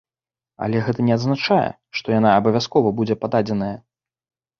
Але гэта не азначае, што яна абавязкова будзе пададзеная.